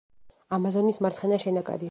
ამაზონის მარცხენა შენაკადი.